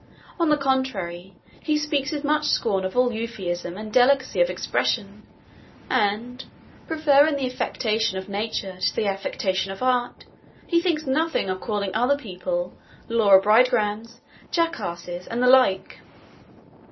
On the contrary, he speaks with much scorn of all euphuism and delicacy of expression and, preferring the affectation of nature to the affectation of art, he thinks nothing of calling other people 'Laura Bridgmans,' 'Jackasses' and the like.